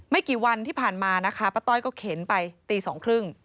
กี่วันที่ผ่านมานะคะป้าต้อยก็เข็นไปตีสองครึ่ง